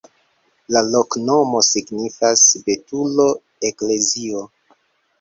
La loknomo signifas: betulo-eklezio.